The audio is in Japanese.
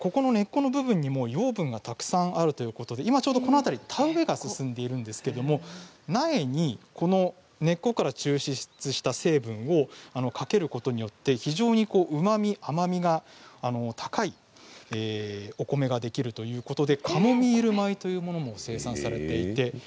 ここにも養分がたくさんあるということで今この辺り田植えが進んでいるんですが苗に根っこから抽出した成分をかけることによって非常にうまみ、甘みが高いお米ができるということでカモミール米も生産されています。